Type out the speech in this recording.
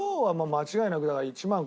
間違いなく。